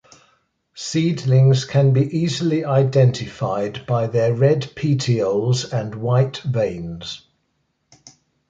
Seedlings can be easily identified by their red petioles and white veins.